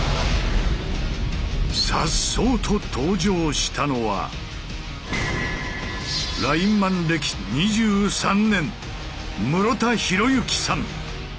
さっそうと登場したのはラインマン歴２３年室田洋幸さん。